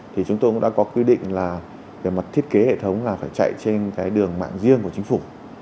thì chúng tôi cũng đã có quy định là về mặt thiết kế hệ thống là phải chạy trên cái đường mạng riêng của chính phủ